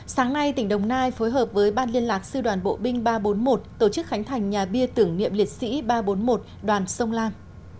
sáng nay tỉnh đồng nai phối hợp với ban liên lạc sư đoàn bộ binh ba trăm bốn mươi một tổ chức khánh thành nhà bia tưởng niệm liệt sĩ ba trăm bốn mươi một đoàn sông lan